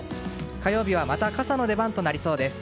火曜日はまた傘の出番となりそうです。